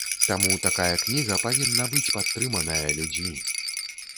Таму такая кніга павінна быць падтрыманая людзьмі!